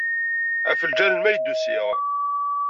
Ɣef lǧal-nwen ay d-usiɣ.